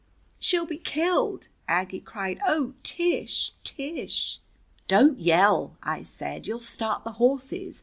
"She'll be killed!" Aggie cried. "Oh, Tish, Tish!" "Don't yell," I said. "You'll start the horses.